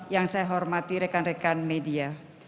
yang saya hormati rekan rekan media